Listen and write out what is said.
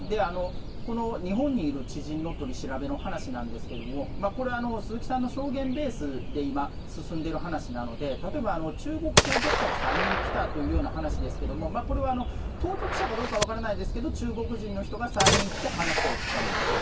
この日本にいる知人の取り調べの話なんですけども、これは、鈴木さんの証言ベースで今、進んでいる話なので、例えば中国当局者が３人来たというような話ですけれども、これは当局者かどうか分からないですけど、中国人の人が３人来て話を聞かれたと。